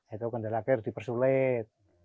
itu gendala ker di persulit